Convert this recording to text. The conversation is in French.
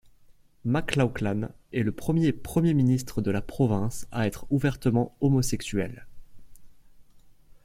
MacLauchlan est le premier Premier Ministre de la province à être ouvertement homosexuel.